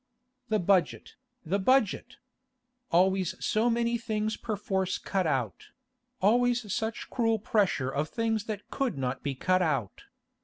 The budget, the budget! Always so many things perforce cut out; always such cruel pressure of things that could not be cut out.